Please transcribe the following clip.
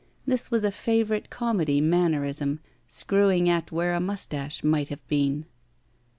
That was a favorite comedy man nerism, screwing at where a mustache might have been.